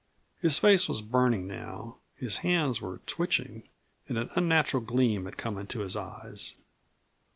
His face was burning now, his hands were twitching, and an unnatural gleam had come into his eyes.